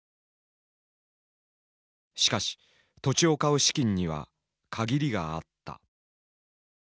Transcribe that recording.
しかし土地を買う資金には限りがあった。